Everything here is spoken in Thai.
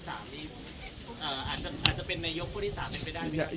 อาจจะเป็นนายกพวกที่๓ไม่ได้